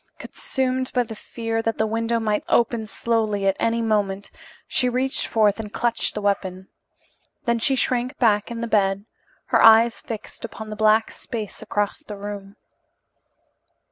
Consumed by the fear that the window might open slowly at any moment, she reached forth and clutched the weapon. Then she shrank back in the bed, her eyes fixed upon the black space across the room.